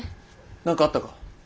何かあったか？